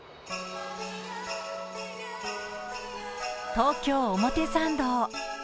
東京・表参道。